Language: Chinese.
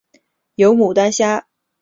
有牡丹虾